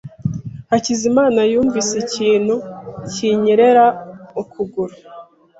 Hakizimana yumvise ikintu kinyerera ukuguru.